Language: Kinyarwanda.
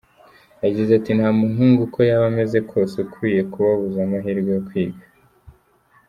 Yagize ati “Nta muhungu, uko yaba ameze kose, ukwiye kubabuza amahirwe yo kwiga.